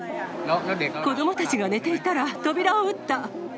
子どもたちが寝ていたら、扉を撃った。